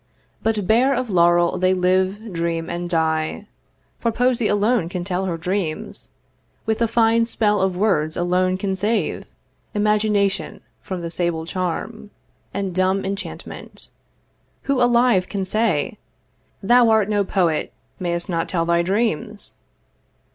But bare of laurel they live, dream, and die; For Poesy alone can tell her dreams, With the fine spell of words alone can save Imagination from the sable charm And dumb enchantment. Who alive can say, 'Thou art no Poet may'st not tell thy dreams?'